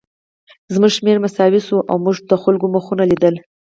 زموږ شمېر مساوي شو او موږ د خلکو مخونه لیدل